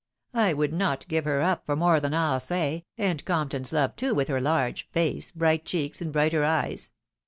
I would not give her up for more than I'll say — and Compton 's love too, with her large face, bright cheeks, and brighter eyes.